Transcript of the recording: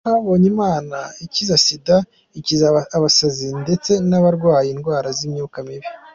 Twabonye Imana ikiza Sida, ikiza abasazi, ndetse n’abarwaye indwara z’imyuka mibi.